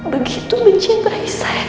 begitu mencintai saya